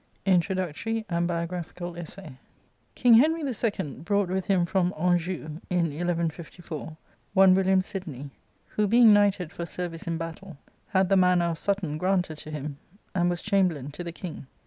(o^ ^0?) INTRODUCTORY AND BIOGRAPHICAL ESSAY. ING penry the Second brought with him from iA^njou, in 1154, one William Sidney, who, being knighted for service in battle, had the manor of Sutton granted to him, and was chamberlain to thi King.